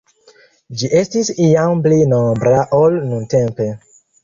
Ĝi estis iam pli nombra ol nuntempe.